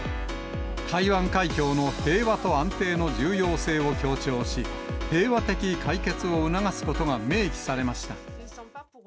台湾海峡の平和と安定の重要性を強調し、平和的解決を促すことが明記されました。